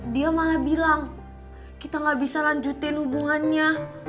dia malah bilang kita gak bisa lanjutin hubungannya